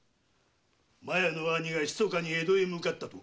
麻耶の兄が密かに江戸へ向かったと？